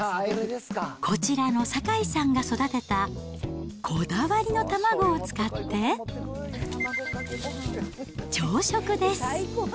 こちらの酒井さんが育てたこだわりの卵を使って、朝食です。